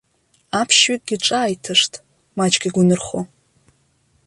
Аԥшьҩыкгьы ҿааиҭышт, маҷк игәы нырхо.